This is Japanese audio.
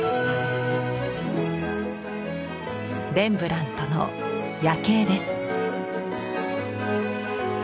レンブラントの「夜警」です。